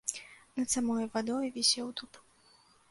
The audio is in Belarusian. Над самаю вадою вісеў дуб.